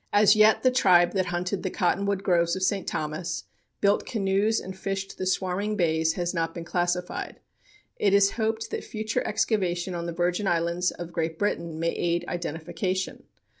As yet, the tribe that hunted the cottonwood groves of St. Thomas, built canoes and fished the swarming bays has not been classified. It is hoped that future excavation on the Virgin Islands of Great Britain may aid identification.